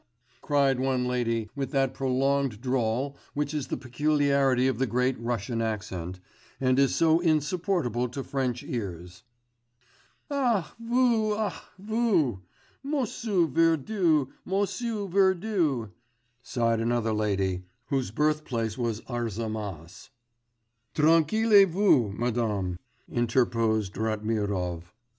_' cried one lady with that prolonged drawl which is the peculiarity of the Great Russian accent, and is so insupportable to French ears. 'Ah, voo, ah, voo, mossoo Verdew, mossoo Verdew,' sighed another lady, whose birthplace was Arzamass. 'Tranquillisez vous, mesdames,' interposed Ratmirov.